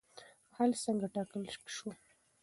حل څنګه ټاکل شو؟